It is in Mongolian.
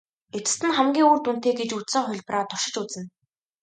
Эцэст нь хамгийн үр дүнтэй гэж үзсэн хувилбараа туршиж үзнэ.